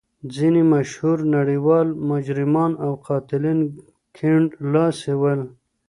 ځینې مشهور نړیوال مجرمان او قاتلین کیڼ لاسي ول.